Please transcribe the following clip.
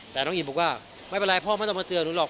แต่น้องอิ่มบอกว่าไม่เป็นไรพ่อไม่ต้องมาเตือนหนูหรอก